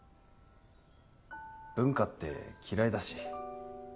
文化って嫌いだし。